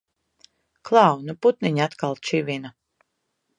Klau! Nu putniņi atkal čivina!